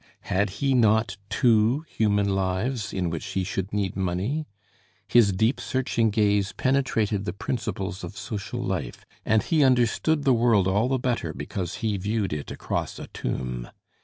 Had he not two human lives in which he should need money? His deep, searching gaze penetrated the principles of social life, and he understood the world all the better because he viewed it across a tomb.